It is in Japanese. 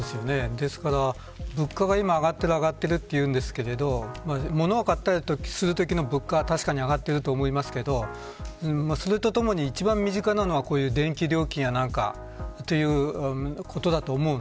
ですから、物価が今上がっているといいますが物を買ったりするときの物価たしかに上がってると思いますがそれとともに、一番身近なのがこういう電気料金や何かということだと思います。